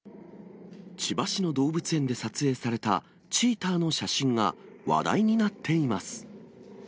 千葉市の動物園で撮影されたチーターの写真が話題になっています。